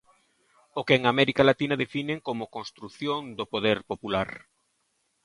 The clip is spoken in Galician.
O que en América Latina definen como construción do poder popular.